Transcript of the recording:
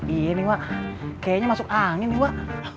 ini wak kayaknya masuk angin wak